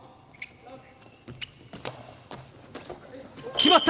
決まった！